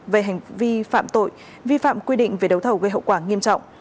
về hành vi phạm tội vi phạm quy định về đấu thầu gây hậu quả nghiêm trọng